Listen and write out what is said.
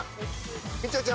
みちょちゃん